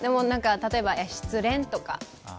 例えば失恋とか。